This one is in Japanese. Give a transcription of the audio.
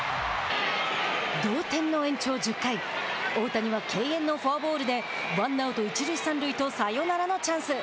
同点の延長１０回大谷は敬遠のフォアボールでワンアウト、一塁三塁とサヨナラのチャンス。